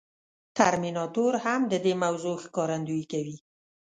ترمیناتور هم د دې موضوع ښکارندويي کوي.